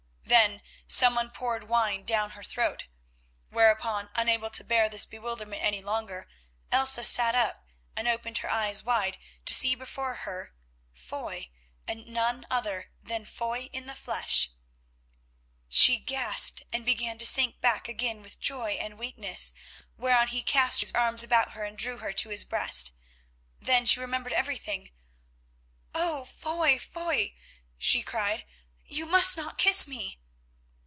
Then someone poured wine down her throat, whereupon, unable to bear this bewilderment any longer, Elsa sat up and opened her eyes wide, to see before her Foy, and none other than Foy in the flesh. She gasped, and began to sink back again with joy and weakness, whereon he cast his arms about her and drew her to his breast. Then she remembered everything. "Oh! Foy, Foy," she cried, "you must not kiss me."